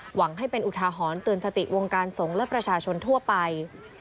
หวังให้เป็นอุทาหรณ์เตือนสติวงการสงฆ์และประชาชนทั่วไป